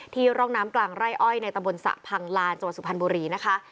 ที่ร่องน้ำกลางไร่อ้อยในตะบนศะพังลานจสุพรรณบุรีนะคะ